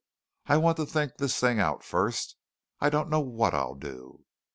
I want to think this thing out first. I don't know what I'll do."